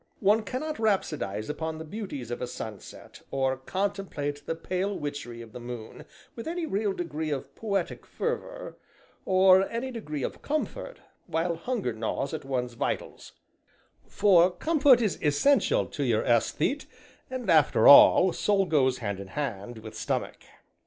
One cannot rhapsodize upon the beauties of a sunset, or contemplate the pale witchery of the moon with any real degree of poetic fervor, or any degree of comfort, while hunger gnaws at one's vitals, for comfort is essential to your aesthete, and, after all, soul goes hand in hand with stomach.